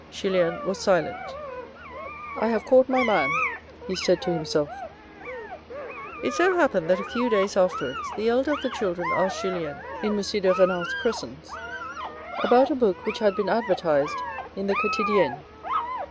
Julien was silent. " I have caught my man " he said to himself. THE ELECTIVE AFFINITIES 43 It so happened that a few days afterwards the elder of the children asked Julien, in M. de Renal's presence, about a book which had been advertised in the Quotidienne.